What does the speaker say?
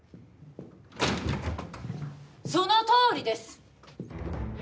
そのとおりです！